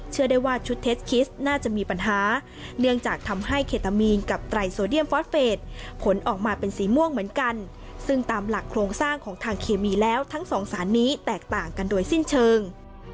ซึ่งตามหลักโครงสร้างของทางเคมีแล้วทั้งสองสารนี้แตกต่างกันโดยสิ้นเชิง